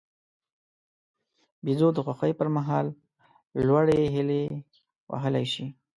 بیزو د خوښۍ پر مهال لوړې هلې وهلای شي.